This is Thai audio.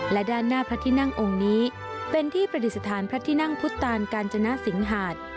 และด้านหน้าพระที่นั่งองค์นี้เป็นที่ประดิษฐานพระที่นั่งพุทธตานกาญจนสิงหาด